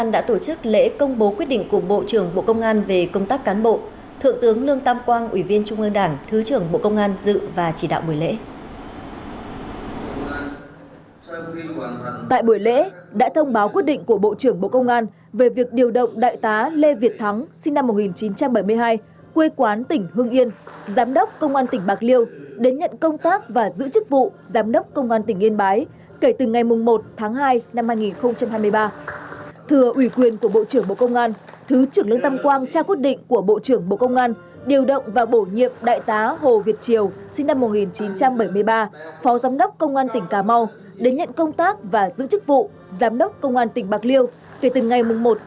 đã thông báo quyết định của bộ trưởng bộ công an về việc điều động đại tá lê việt thắng sinh năm một nghìn chín trăm bảy mươi ba quê quán tỉnh hương yên giám đốc công an tỉnh bạc liêu đến nhận công tác và giữ chức vụ giám đốc công an tỉnh yên bái kể từ ngày một hai hai nghìn hai mươi ba